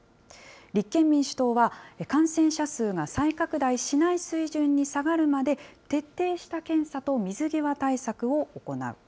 立憲民主党は、感染者数が再拡大しない水準に下がるまで、徹底した検査と水際対策を行う。